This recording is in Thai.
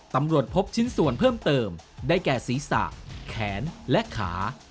พบชิ้นส่วนเพิ่มเติมได้แก่ศีรษะแขนและขา